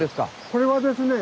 これはですね